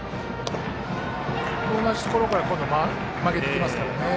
そして同じところから今度は曲げてきますからね。